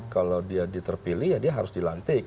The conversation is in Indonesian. kalau dia diterpilih ya dia harus dilantik